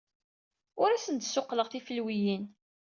Ur asen-d-ssuqquleɣ tifelwiyin.